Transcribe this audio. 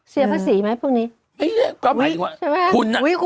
เสียภาษีไหมพวกนี้